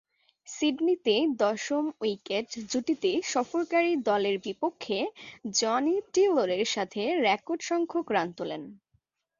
সিডনিতে দশম উইকেট জুটিতে সফরকারী দলের বিপক্ষে জনি টেলরের সাথে রেকর্ডসংখ্যক রান তুলেন।